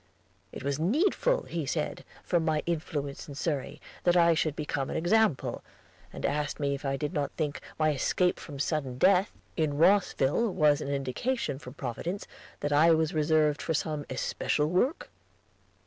It was needful, he said, from my influence in Surrey, that I should become an example, and asked me if I did not think my escape from sudden death in Rosville was an indication from Providence that I was reserved for some especial work?